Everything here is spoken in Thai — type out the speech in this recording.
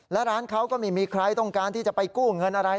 และร้านเขาก็ไม่มีใครต้องการที่จะไปกู้เงินอะไร